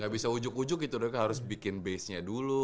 tidak bisa ujuk ujuk itu harus bikin basenya dulu